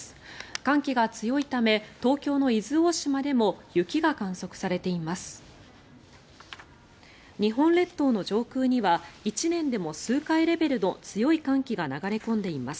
寒気が強いため東京の伊豆大島でも雪が観測されています。